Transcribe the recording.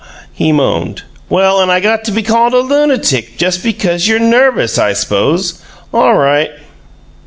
He moaned. "Well, and I got to be called a lunatic just because you're nervous, I s'pose. All right!"